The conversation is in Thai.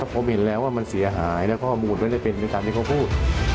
ผมเห็นแล้วว่ามันเสียหายและข้อมูลไม่ได้เป็นไปตามที่เขาพูด